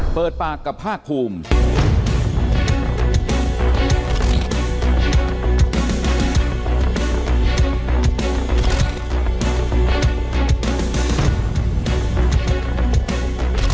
เปิดปากกับภาคภูมิ